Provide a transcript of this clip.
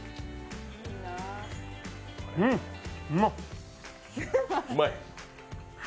うん、うまっ。